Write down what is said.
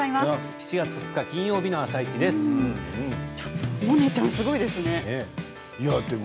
７月２日金曜日の「あさイチ」です。